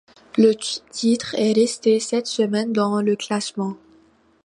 Le titre est resté sept semaines dans le classement.